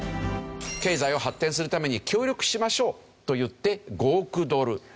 経済を発展するために協力しましょうといって５億ドル。